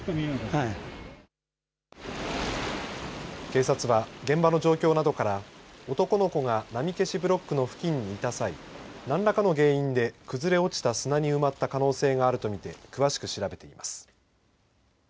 警察は現場の状況などから男の子が波消しブロックの付近にいた際何らかの原因で崩れ落ちた砂に埋まった可能性があるとみて詳しく調べています。